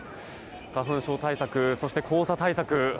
花粉症対策、そして黄砂対策